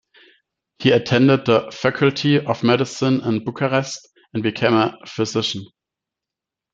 He attended the Faculty of Medicine in Bucharest and became a physician.